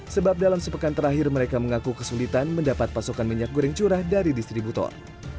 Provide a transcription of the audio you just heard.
sebab dalam sepekan terakhir mereka mengaku kesulitan mendapat pasokan minyak goreng curah dari distributor